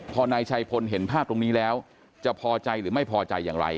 พอนายชัยพลเห็นภาพตรงนี้แล้วจะพอใจหรือไม่พอใจอย่างไร